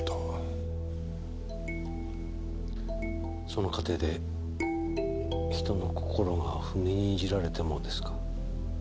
その過程で人の心が踏みにじられてもですか？